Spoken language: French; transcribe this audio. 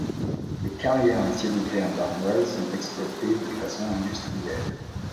Les carrières à ciel ouvert d’ardoises sont exploitées de façon industrielles.